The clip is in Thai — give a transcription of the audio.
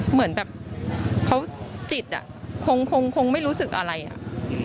เหมือนแบบเขาจิตอ่ะคงคงไม่รู้สึกอะไรอ่ะ